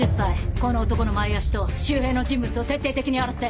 この男の前足と周辺の人物を徹底的に洗って！